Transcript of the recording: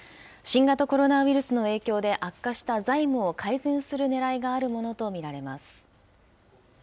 新型コロナウイルスの影響で、悪化した財務を改善するねらいがあるものと見られます。